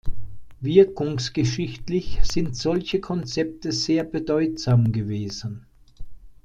Wirkungsgeschichtlich sind solche Konzepte sehr bedeutsam gewesen.